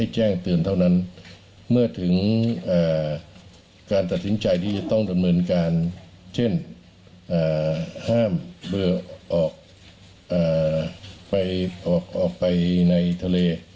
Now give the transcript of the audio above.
เช่นห้ามเดินออกไปในทะเล